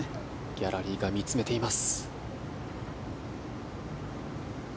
ギャラリーが見つめています。